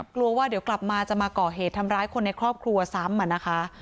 กลัวว่าเดี๋ยวกลับมาจะมาก่อเหตุทำร้ายคนในครอบครัวซ้ำนะคะ